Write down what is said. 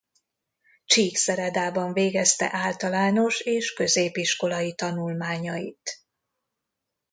Csíkszeredában végezte általános és középiskolai tanulmányait.